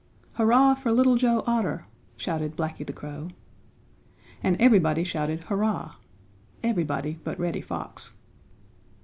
"Hurrah for Little Joe Otter!" shouted Blacky the Crow. And everybody shouted "Hurrah!" Everybody but Reddy Fox.